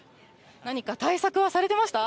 何か対策はされてました？